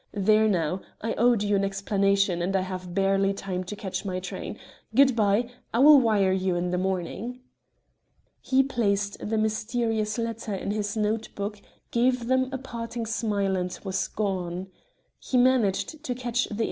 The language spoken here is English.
There now I owed you an explanation, and I have barely time to catch my train. Good bye. I will wire you in the morning." He placed the mysterious letter in his note book, gave them a parting smile, and was gone. He managed to catch the 8.